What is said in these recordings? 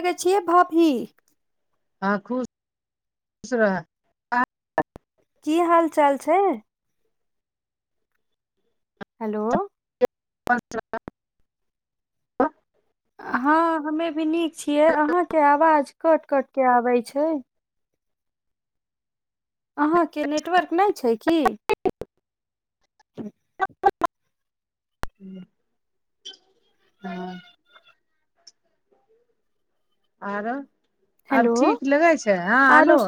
सै छियै भाभी [unintelligible] हँ खुश रह की हाल चाल छै [inaudible] हेलो पञच [unintelligible] हँ हमे भी नीक छियै अहाँके आवाज कट कट के आबै छै अहाँके नेटवर्क नहि छै की [unintelligible] हँ [unintelligible] आरो हेलो आब ठीक लगै छै हँ आरो आलो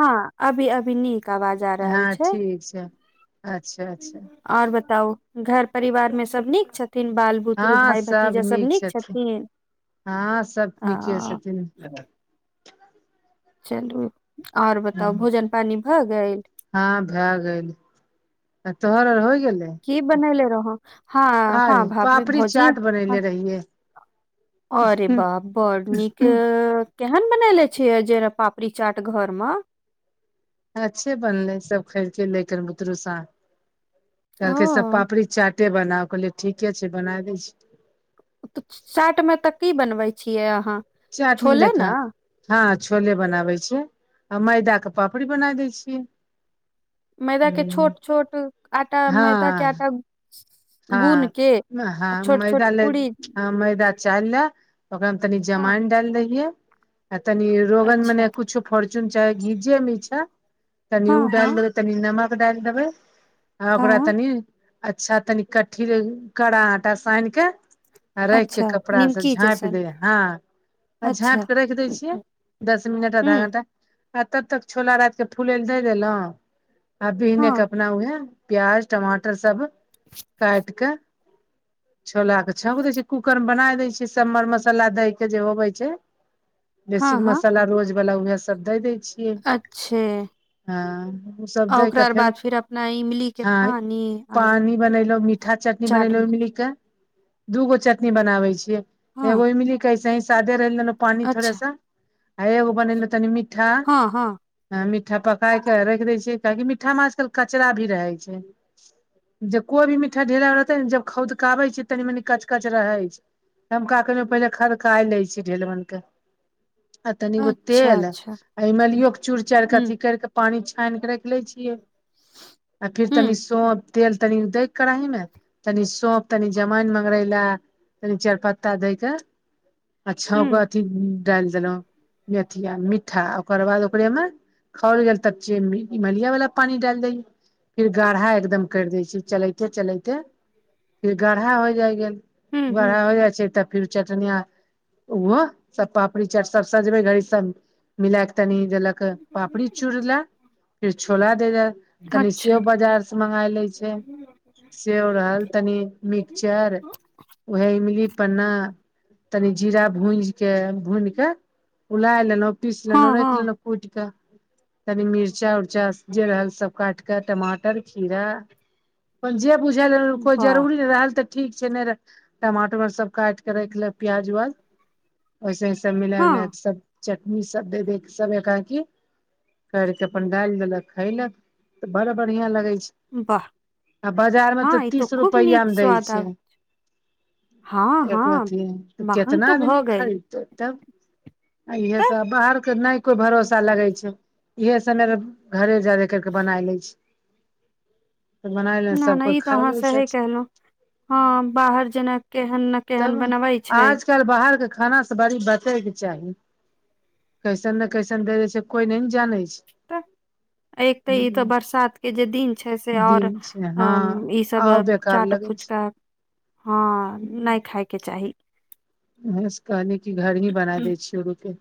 हँ अभी अभी नीक आवाज आ रहल हँ छै ठीक छै अच्छा अच्छा और बताउ घर परिवार में सब नीक छथिन बाल बुतरु भाय भतीजा सब नीक छथिन हँ सभ नीके छथिन चलू आ ओर हँ बताउ भोजन पानी भऽ गेल हँ भए गेल तोहर आर होइ गेलै की बनैले रहौ हँ आज हँ भाभी पापड़ी भौजी चाट बनैले रहियै अ रेऽ हूँ, बा बड नीके केहन बनेले छिय जेना पापड़ी चाट घर म अच्छे बनले सब खयलके लै बुतरू स कहलकै सब ओ, पापड़ी चाट बनाउ कहलियै ठीके छै बना दै छी तऽ चाट मे तऽ की बनबै छियै अहाँ चाट मे छोले देखा ने? हँ छोले बनाबै छिय आ मैदा के पापड़ी बना दै छियै मैदा के छोट छोट आटा मैदा के हँ आटा गूनि हँ के आ हँ मैदा छोट-छोट ल पूरी ह मैदा चायलऽ ओकरा मे तनी हाँ, जमायन डायल दयलिए तनी रोमन मे अच्छा। कुछो फोर्च्यून चाय घीजे मिछा तनि ओ हाँ, डाल हाँ, देबै तनि नमक डालि देबै आ ओकरा हाँ, तनि अच्छा तनि कठील करा आटा सानि कऽ आ राख केऽ अच्छा, कपड़ा से निमकी झाँपि जैसन, दे हँ आ झाँप अच्छा। के रख दय छियै दस मिनट आधा हुँ, घंटा आ तब तक छोला राति के फुलै ल दे देलहुं आ बिने हाँ, बनाउए प्याज टमाटर सब काटिक छोला के छौंक देै छै कूकर मे बना देय छ सब मर मसाला देय के जे होवे छै [inaudible] बेसीक हाँ, मसाला रोज बालला उएह सब दय दै छी अच्छे हँ ओ सब आ दै के ओकरा फेर बाद फिर अपना इमलीके हँ पानी आ पानि बनेली मीठा चटनी चाट बनेले इमली के दूगो चटनी बनाबै छियै हाँ, एगो इमिली कऐसे ही सादे रह पान थड़ा अच्छा। सा आ एगो बनेलो तनी मिट्टी ठा हँ हँ ह मिठ्ठा पकाय कऽ राखि दै छियै काहेकि मिठामे आजकल कचरा भी रहै छै जब कोइ भी मिठा ढेला रहतै ने जब खौदकाऽ बै छै तनी मनी कच कच रहै छै हम का कैर पहिले खदका लै छै ढेलबन के आ तनिगो अच्छा तेल अच्छा आ इमलियो के चूड़ चाईड़ क हुँ अथी कर के पानि छानि कऽ रखि लै छियै आ फिर तनी हुँ सोफ तेल तनी दय कराही में तनि सौप तनि जमाइन मंगरैला तनि चारपत्ता दय क आ छा के हुँ अथी डालि देलहुँ मेथिया मिठा ओकर बाद ओकरेमे खौल गेल तब च इमलिया वालला पानी डाल दै फिर गाढ़ा एकदम करि देै छै चलैते चलैते फिर गारहा हो जाइ गेल हुँ हुँ गारहा हो जाइ छै तब फिर चटनिया ओहो सब पापड़ी चट सब सजबै घड़ी सब मिलाके तनि देलक पापड़ी चूड़ ला फिर छोला देल तनी अच्छा सेव बाजार से मगाय ले छै सेव रहल तनि मिक्सचर उएहे इमली पन्ना तनी जीरा भूज के भूनिक उलाय लेलहुँ पीस लेलहुँ हँ राखि हँ लेलहुँ कूट के तनि मिर्चा उरचा जे रहल सब काट कऽ टमाटर खीरा अपन जे बुझल कोइ वाह जरूरी रहल तऽ ठीक छै ने टमाटर आर सब काटिक राख लेब प्याज उ्याज ओैसे औसे मिला उला हँ सब चटनी सब दे दे सब एकरा कि कर केे अपन डालि देलक खयलक तऽ बड़ बढ़िया लगे छै वाह [unintelligible] बाजारमे तऽ हँ ई तो तीस खूब नीक रुपैआमे दै स्वाद छै आब हँ एक हँ बात य त महंग तऽ कितना भऽ आदमी गेल खरीदते तब इहे तऽ सब बाहरके नहि कोइ भरोसा लगै छै इहे सब मे घरे जादे करके बनाय ले छी तऽ बनाय न सब कोइ नहि ई तो खाय अहाँ लै सही छथि कहलहु ह बाहर जेना केहन ने तब केहन बनबे छै आजकल बाहरके खाना से बड़ी बचैके चाही कैसन ने कैसन दे दे छै कोई नइ ने जानै छै तऽ एक तऽ ई तऽ बरसात के जे दिन छै से और दिन छै हँ हम ईसभ आउ बेकार चाट लगै फुचका हँ नइ खायके चाही ते से कहली कि घर ही बना दै छी शुरूके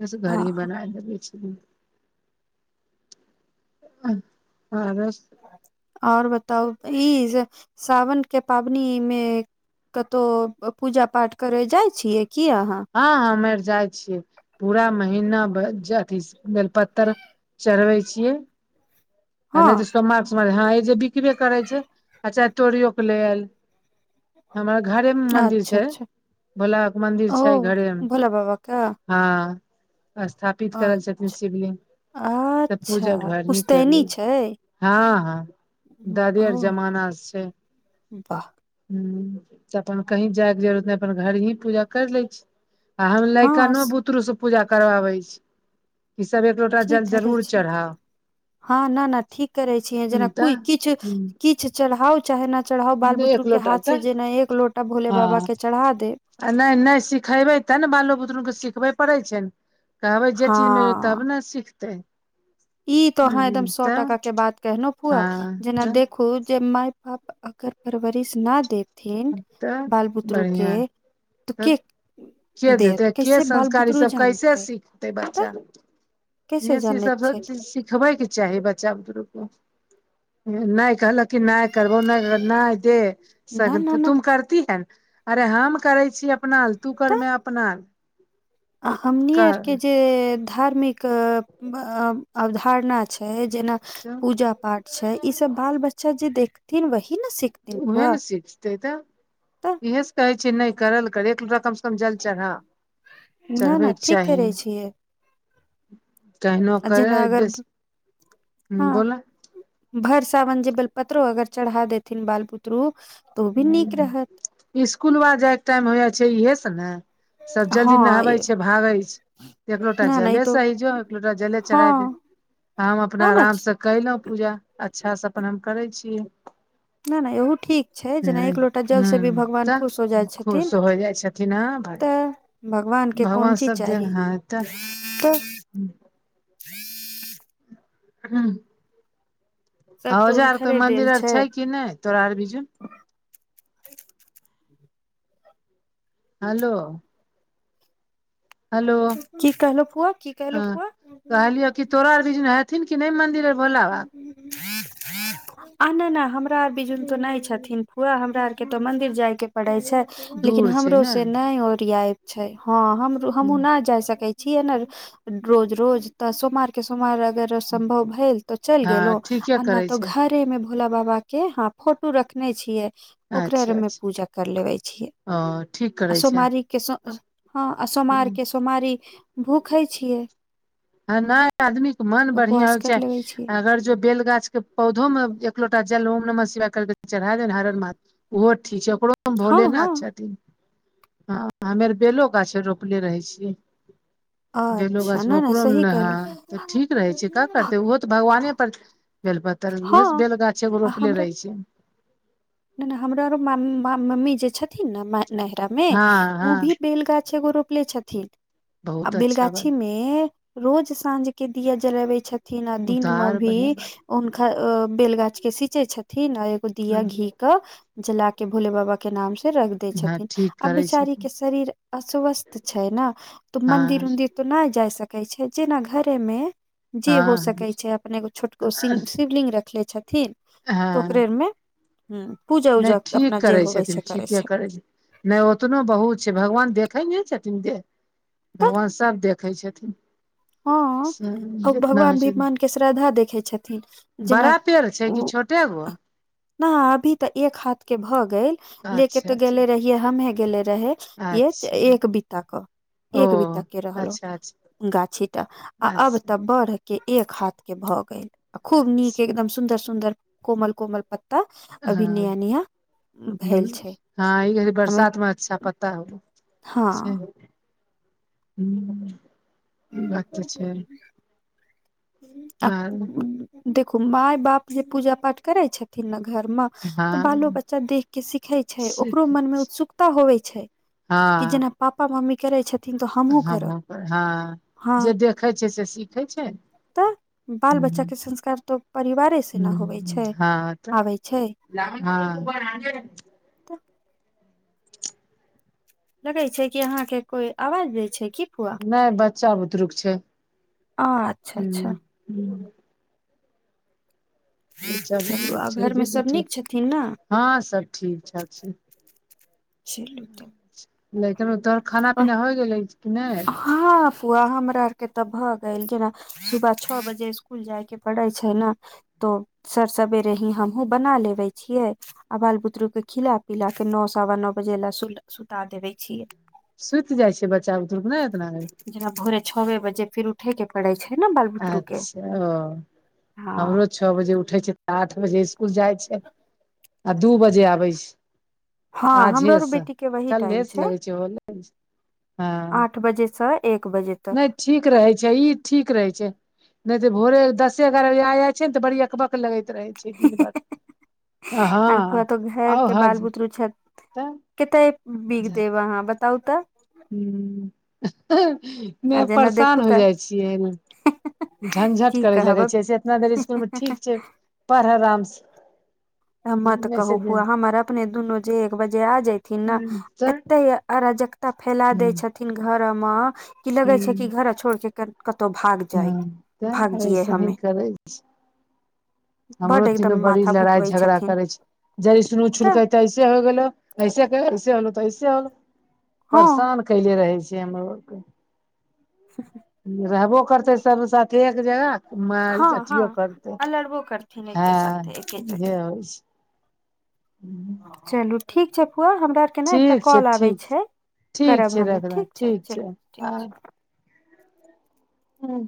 बस घर आ ही बनाय देबैछि आ रस [unintelligible] और बताउ ई जे सावन के पाबनि मे कतहु पूजा पाठ करै जाइ छियै की अहाँ हँ ह ह हम आर जाइ छियै पूरा महिना अथी बेलपत्र चढ़बै छियै आ नइ हँ तऽ सोमाक सोमार हँ ई जे बिकबे करै छै आ चाहे तोरियो के ले आएल हमरा घरे मे मन्दिर अच्छा छै अच्छा भोला बाबाके मंदिर ओ छै घरेमे भोला बाबा के हँ स्थापित पित करल छथिन अच्छा शिवलिंग तब पूजा घर ही कैली अय हँ हँ दादे आर जमाना से छै वाह हूं त अपन कहीं जायके जरूरत नइ अपन घर ही पूजा कर लै छी हम हँ लैकनो स- बुतरू से पूजा करवाबे छी ई सब एक लो ठिक करै छी हँ न न ठीक करै छीय जेना कोइ तऽ किछु कि किछु चढ़ाउ चाहे ना चढ़ाउ बाल एक बुतरु के लोटा हाथ से तऽ जे ना एक लोटा भोले बाबा हँ के चढ़ा देब आ नइ नइ सिखैबइ तब ने बालो बुतरूके सिखबय पड़ै छै ने कहबै जे चीजमे हँ तब ने सिखतै ई त अहाँ हूँ एकदम सए तब टका के बात कहनो फुआ हँ जेना तऽ देखू जे माय पाप अगर परवरिश ना देथिन तऽ बाल बुतरू के बढ़िआँ तऽ तब के के देत देतै के कैसे बाल बुतरू संस्कारसभ कैसे जानतै सिखतै तऽ बच्चा कैसे भस ई जानै सब सब छै चीज [unintelligible] सिखबै के चाही बच्चा बुतरु को नइ कहलक कि नय करबो नय नय दे ना ना ना तुम करती है अरे हम करै छी अपनाले तू तऽ करमे अपनालेल हमनी आरके जे धार्मिक अवधारणा छै जेना पूजा पाठ छै ई सब बाल बच्चा जे देखथिन वही ने सिख वहए ने सिखतै तऽ तऽ इएहे से कहै छियै नइ कर ल कर एक लोटा कम से कम जल चढ़ा ना ना चढ़बैके ठीक चाही करै छियै केहनो आ करै जेना अगर डिस बोल भेर सावन जे बेलपत्रो अगर चढ़ा देथिन बाल बुतरू तऽ ओ भी नीक रहत इसकुल बा जाय के टाइम होइय छै इहे से ने सब हँ जल्दी नहाबै छै भागे छै एक लोटा नहि नहि ई जले तो सहि जो एकलोटा जले चढ़ाय दे हँ हम अपना नहि नहि आराम से कइलौं पूजा अच्छा से अपन हम करै छियै नइ नइ इहो ठीक छै जेना हँ एक लोटा जलसे भी हूँ भगवान तऽ खुश हो जाइ छथिन खुश हो जाइ छथिन हँ भाय तऽ भगवान के कोन चीज चाही तऽ हूँ [inaudible] हँ सब तऽ औजार आर कोई हुनकरे देल मंदिर आर छै कि नइ तोरा आर के हलो हैलो की कहलो फुआ की ह कहलो कहलियौ कि फुआ तोरा आर के छथिन कि नइ मन्दिर आर भोला बाबाक ह उ [unintelligible] आ नइ नइ हमरा आर बीजुन तो नइ छथिन फुआ हमरा आर के तो मंदिर जाय के पड़ै छै लेकिन दूर छै हमरो ने से नइ ओरियाइ छै हँ हमहूं नइ जाय सकै छी छियै ने रोज रोज तऽ सोमवारके सोमवार अगर सम्भव भेल तो चलि हँ गेलो ठीके आ नहि करै तो छै घरे में भोला बाबा के हा फोटो रखने छियै ओकरा आर अच्छा मे अच्छा पूजा कर लेबे छियै ओ ठीक आ करै छै सोमवारी हँ आ सोमवार के सोमारी भूखे छियै ह नहि आदमी के मन बढ़िया उपवास होयके कर लेबे चाही छियै अगर जो बेल गाछ के पौधो मे एक लोटा जल ओम नमः शिवाय कर चढ़ा दे हर हर महादेव ओहो ठीक छै ओकरो मे हँ भोले नाथ हँ अच्छा हँ हमे आर बेलो गाछ रोपने रहै छियै बेलो अच्छा गाछमे नहि नहि ओकरोमे सही ने ह तऽ ठीक रहै छै क कहलहुँ करतै ओहो तऽ भगवाने पर बेलपत्तर उएहस हँ बेल गाछ एगो आ रोपले हमरा रहे छै नहि नहि हमरा आरो मम्मी जे छथिन ने नहिरा मे हँ ओ हँ भी बेलगाछ एगो रोपले छथिन आ बहुत अच्छा बेलगाछी बात मे हे रोज साँझ के दिया जलबै छथिन आ दिन मे उधार भी बढ़िया बात हुनका बेल गाछ के सीचे छथिन आ एगो हँ दिया घी के जला के भोले बाबा के नाम से रख दै हँ छथिन ठीक करै बेचारी छथिन के शरीर अस्वस्थ छै ने तऽ मंन्दिर हँ उदिर तो नहि जाय सकै छै जेना घरे मे जे हो हँ सकै छै अपने एगो छोटगो शिवलिंग रखले छथिन तऽ ओकरे हँ मे हु पुजा नहि ठीक करै छथिन ठीके करै छथि नहि ओतनो बहुत छै भगवान देखै नहि छथिन देह तऽ भगवान सभ देखै छथिन हँ आ जेतना भगवान होइ भी छै मान के श्रद्धा देखै छथिन जेना बड़ा पेड़ छै ओ कि छोट कत हब [unintelligible] न अभी तऽ एक हाथ के भऽ गेल लेके अच्छा तो अच्छा गेले रहिये हमे गेले रहे य अच्छा एक बीताक ओ एक बीता के अच्छा अच्छा रहलहु गाछी आ अब अच्छा तऽ बढ़ के एक हाथ के भऽ गेल खूब नीक अच्छा एकदम सुन्दर सुन्दर कोमल कोमल पत्त हँ भेल ह छै हँ ई हमे बरसात मे अच्छा पत्ता ह आउरो हँ सेहो [inaudible] इ बात त छै [unintelligible] आर देखू माय बाप जे पूजा पाठ करै छथिन ने घर मे तऽ बालो हँ बच्चा देख के सिखै छै ओकरो सीख मन मे उत्सुकता होवे छै हँ कि जेना पापा मम्मी करै छथिन तऽ हमहुँ करब हमँ हँ हँ जे देखै छै से सीखै छै तऽ बाल ह बच्चाके संस्कार तऽ परिवारेसँ न होबै छै आबै छै ह तऽ लगे छै कि अहाँ के कोई आवाज दै छै की फुआ नहि बच्चा बुतरुक छै अच्छा अच्छा बच्चा चलू बुतरु आ घरमे छै सभ बैठ नीक छथिन ने हँं सब ठीक ठाक छै सेल त लेकिन उ तोहर खाना पीना होइ गेलै कि नहि हँ फुआ हमरा आर के ते भ गेल जेन सुबह छओ बजे इसकुल जायके पड़ै छै न तो सर सवेरे ही हमहु बना लेबे छियै आ बाल बुतरु के खिला पिला के नओ सवा नओ बजे लए सुता देवे छिय सुति जाइ छ बच्चा बुतरुके नहि एतना जेना भोरे छबे बजे फिर उठ उठे के पड़ै छै ने बाल बुतरु के ह छौ बजे उठे छै तऽ आठ बजे इसकुल जाय छै आ दू बजे आबे छ हँ आज हे हमरो आर स बेटी के वही कलहे टाइम स लगै छै ह आठ बजेस एक बजे न तक नै ठीक रहे छै ई ठीक रहे छै नहि तऽ भोरे दसे एगारह बजे आ जाय छै ने त बड़ी अकबक लगैत रहे छै दिन भर आँख ऽ आउ घरके बाल हज बुतरू छथ तऽ कतय बीग देब अहाँ बताउ त ह नै आ जेना परेशान देखू हो तऽ जाइ छियै ने झंझट की करय लगै कहब छै इतना देर इसकुल मे आ ठीक छै पढ आराम सँ तऽ मत कहू फुआ हमर अपने दुनू जे एक बजे आ जयथिन न एत्ते अराजकता फैला देय छथिन घर में कि लगे छै कि घर छोड़ के कतहु भाग जाय हं भाग तै जियै सही ने हमे करै हमरो बड तीनो एकदम बड़ी माथा लड़ाइ भुकबै झगड़ा छथिन करै छै जड़सन तऽ छड़क ऐसे हो गेलो ऐसे ऐसे होलो त ऐसे होलो हँ परेशान कहले रहै छै हमरो आर के रहबो करते सब साथ एक जगह माल हँ हँ अथियो करते अलड़बो करथिन एके हँ साथे एके इहे जगह होइ छै चलू ठीक छै पुआ हमरा आर के ने एकटा छै ठीक छै कॉल आबै ठीक छै ठीक करब छै हम रखबै ठीक छै चलू ठीक छै हूँ